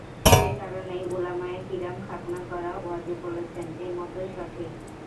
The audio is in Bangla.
এ কারণেই উলামায়ে কিরাম খাৎনা করা ওয়াজিব বলেছেন—এ মতই সঠিক।